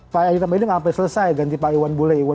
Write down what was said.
pak edi rahmayadi nggak sampai selesai ganti pak iwan bule